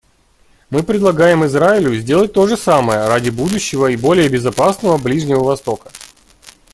Мы предлагаем Израилю сделать то же самое ради будущего и более безопасного Ближнего Востока.